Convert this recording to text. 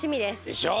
でしょ？